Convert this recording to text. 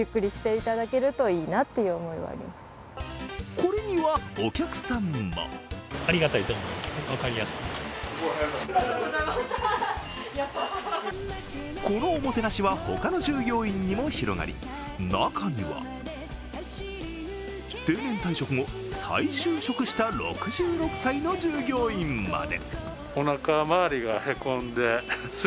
これにはお客さんもこのおもてなしは他の従業員にも広がり、中には定年退職後、再就職した６６歳の従業員まで。